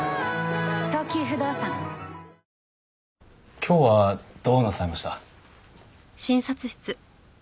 今日はどうなさいました？